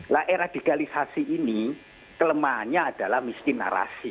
nah era digitalisasi ini kelemahannya adalah miskin narasi